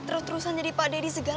terus terusan jadi pak deddy segala